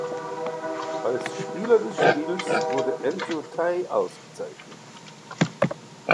Als Spieler des Spiels wurde Andrew Tye ausgezeichnet.